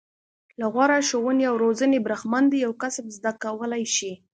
له غوره ښوونې او روزنې برخمن دي او کسب زده کولای شي.